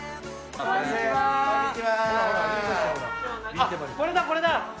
あっこれだこれだ。